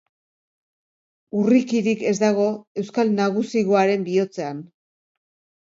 Urrikirik ez dago euskal nagusigoaren bihotzean.